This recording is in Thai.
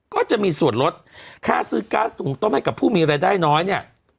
ก็จะมีส่วนลดค่าซื้อก๊าซหุงต้มให้กับผู้มีรายได้น้อยเนี่ย